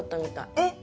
えっ！